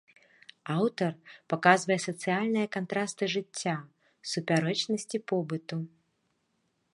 Аўтар паказвае сацыяльныя кантрасты жыцця, супярэчнасці побыту.